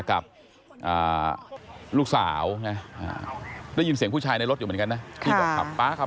อย่าอย่าอย่าอย่าอย่าอย่าอย่าอย่าอย่าอย่าอย่าอย่าอย่าอย่าอย่า